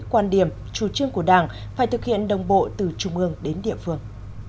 quan điểm chủ trương của đảng phải thực hiện đồng bộ từ trung ương đến địa phương